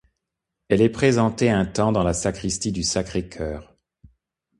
Elle est présentée un temps dans la sacristie du Sacré-Cœur...